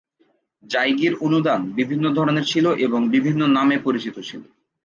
জায়গীর অনুদান বিভিন্ন ধরনের ছিল এবং বিভিন্ন নামে পরিচিত ছিল।